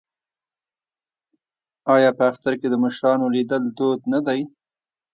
آیا په اختر کې د مشرانو لیدل دود نه دی؟